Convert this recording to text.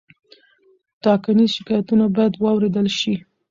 ټاکنیز شکایتونه باید واوریدل شي.